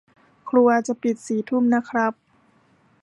ครัวจะปิดสี่ทุ่มนะครับ